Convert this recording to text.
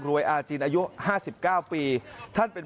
อาจินอายุ๕๙ปีท่านเป็น